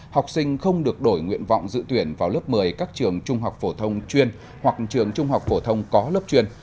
học sinh không được đổi nguyện vọng dự tuyển vào lớp một mươi các trường trung học phổ thông chuyên hoặc trường trung học phổ thông có lớp chuyên